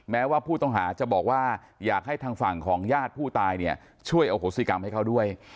แม้ว่าผู้ต้องหาจะบอกว่าอยากให้ทางฝั่งของญาติผู้ตายเนี่ยช่วยอโหสิกรรมให้เขาด้วย